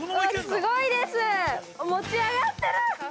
◆すごいです、持ち上がってる。